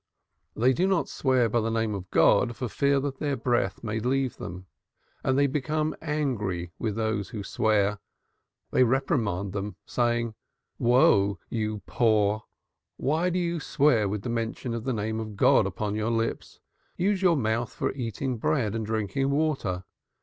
They do not swear by the name of God, for fear that their breath may leave them, and they become angry with those who swear; they reprimand them, saying, 'Woe, ye poor, why do you swear with the mention of the name of God upon your lips? Use your mouth for eating bread and drinking water.